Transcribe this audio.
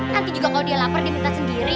nanti juga kalau dia lapar dia minta sendiri